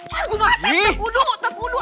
mas gua masak te kuduk te kuduk